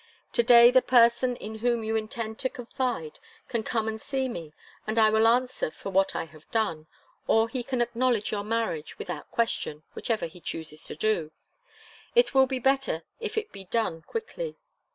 To day the person in whom you intend to confide can come and see me and I will answer for what I have done, or he can acknowledge your marriage without question, whichever he chooses to do; it will be better if it be done quickly.